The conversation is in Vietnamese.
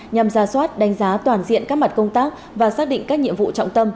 nhằm ra soát đánh giá toàn diện các mặt công tác và xác định các nhiệm vụ trọng tâm